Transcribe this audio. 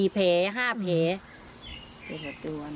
๔แผ่๕แผ่